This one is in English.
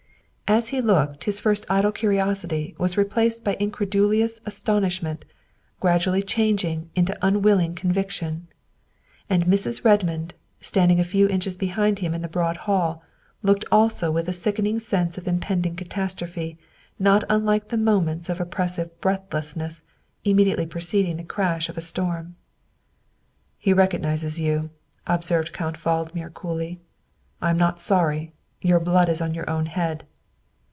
As he looked his first idle curiosity was re placed by incredulous astonishment, gradually changing into unwilling conviction. And Mrs. Redmond, stand ing a few niches behind him in the broad hall, looked also with a sickening sense of impending catastrophe not unlike the moments of oppressive breathlessness immediately preceding the crash of a storm. " He recognizes you," observed Count Valdmir coolly. " I am not sorry. Your blood is on your own head."